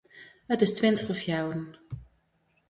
It is tweintich oer fjouweren.